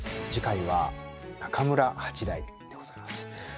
次回は中村八大でございます。